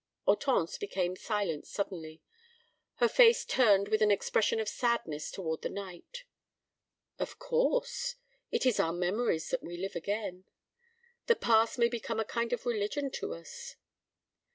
Hortense became silent suddenly, her face turned with an expression of sadness toward the night. "Of course. It is in our memories that we live again. The past may become a kind of religion to us."